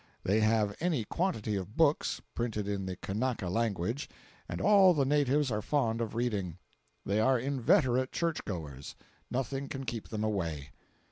They have any quantity of books, printed in the Kanaka language, and all the natives are fond of reading. They are inveterate church goers—nothing can keep them away.